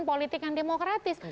dan politik yang demokratis